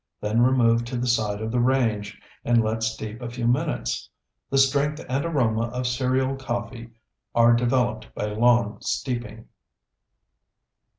Then remove to the side of the range and let steep a few minutes. The strength and aroma of cereal coffee are developed by long steeping.